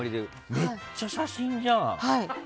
めっちゃ写真じゃん。